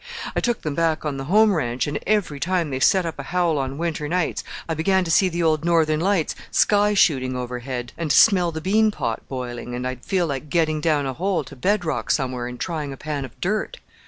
I took them back on the home ranch, and every time they set up a howl on winter nights I began to see the old Northern Lights sky shooting overhead, and smell the bean pot boiling, and I'd feel like getting down a hole to bed rock somewhere and trying a pan of dirt.